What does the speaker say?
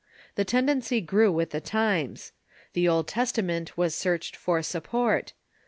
The tendency grew with the times. The Old Testament was searched for support.